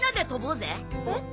えっ？